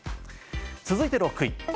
続いて６位。